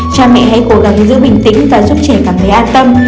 cha mẹ hãy cố gắng giữ bình tĩnh và giúp trẻ cảm thấy an tâm